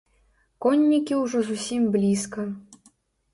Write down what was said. Коннікі ўжо зусім блізка.